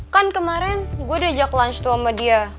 kan kemarin gue udah jack lunch tuh sama dia